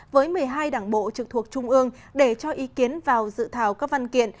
với một mươi hai đảng bộ trực thuộc trung ương để cho ý kiến vào dự thảo các văn kiện